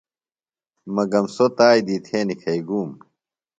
مگم سوۡ تادیۡ تھےۡ نِکھئیۡ گُوۡم۔